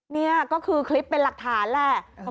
นี่ก็คือคลิปเป็นหลักฐานแหละ